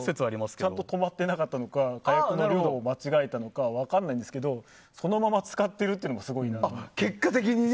ちゃんと止まってなかったのか火薬の量を間違えたのか分からないんですがそのまま使ってるっていうのがすごいなと。